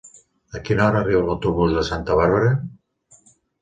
A quina hora arriba l'autobús de Santa Bàrbara?